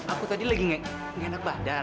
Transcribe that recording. aku tadi lagi enak badan